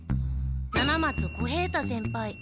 七松小平太先輩